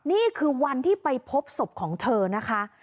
นี่คือวันที่ไปพบศพของเธอนะคะ